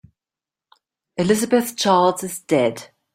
Elizabeth Charles is dead.